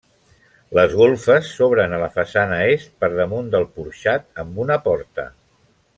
Les golfes s'obren a la façana est per damunt del porxat amb una porta.